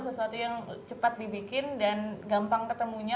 sesuatu yang cepat dibikin dan gampang ketemunya